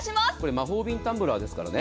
魔法瓶タンブラーですからね。